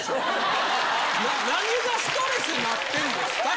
何をストレスになってんですか。